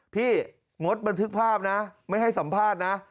งดบันทึกภาพนะไม่ให้สัมภาษณ์นะ